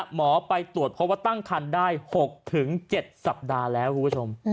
หมอไปตรวจเพราะว่าตั้งคันได้๖๗สัปดาห์แล้วคุณผู้ชม